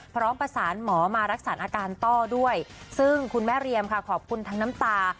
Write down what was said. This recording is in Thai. พร้อมประสานหมอมารักษาอาการต้อด้วยซึ่งคุณแม่เรียมค่ะขอบคุณทั้งน้ำตา